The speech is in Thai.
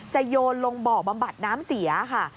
โยนลงบ่อบำบัดน้ำเสียค่ะ